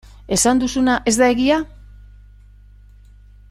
Esan duzuna ez da egia?